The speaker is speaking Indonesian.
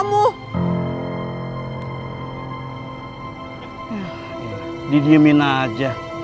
ya gitu didiemin aja